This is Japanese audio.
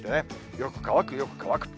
よく乾く、よく乾くと。